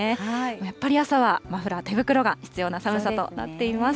やっぱり朝はマフラー、手袋が必要な寒さとなっています。